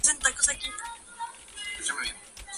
Finalmente se evitó esa desamortización.